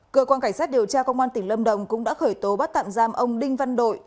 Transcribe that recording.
cơ quan cảnh sát điều tra công an tỉnh lâm đồng cũng đã khởi tố bắt tạm giam ông đinh văn đội